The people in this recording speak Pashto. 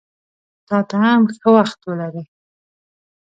تاته هم ښه وخت ولرې!